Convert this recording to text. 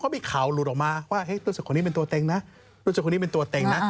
ว่ารู้จักคนนี้เป็นตัวเต็งนะรู้จักคนนี้เป็นตัวเต็งนะ